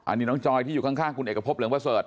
อันนี้น้องจอยที่อยู่ข้างคุณเอกพบเหลืองประเสริฐ